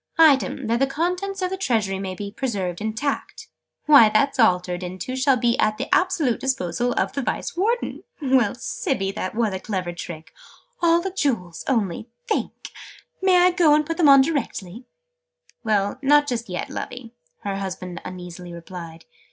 "'Item, that the contents of the Treasury be preserved intact.' Why, that's altered into 'shall be at the absolute disposal of the Vice Warden'! Well, Sibby, that was a clever trick! All the Jewels, only think! May I go and put them on directly?" "Well, not just yet, Lovey," her husband uneasily replied.